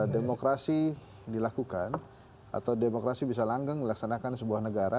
demokrasi dilakukan atau demokrasi bisa langgang melaksanakan sebuah negara